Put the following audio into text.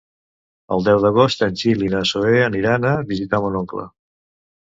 El deu d'agost en Gil i na Zoè aniran a visitar mon oncle.